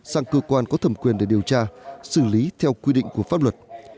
sang cơ quan có thẩm quyền để điều tra xử lý theo quy định của pháp luật